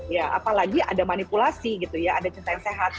ya apalagi ada manipulasi gitu ya ada cinta yang sehat